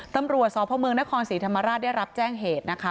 ตำรวจสพเมืองนครศรีธรรมราชได้รับแจ้งเหตุนะคะ